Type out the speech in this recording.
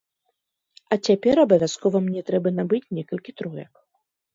А цяпер абавязкова мне трэба набыць некалькі троек.